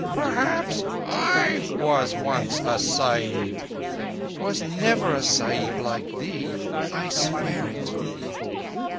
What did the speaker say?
Perhaps I was once a Sahib." "Was never a Sahib like thee, I swear it."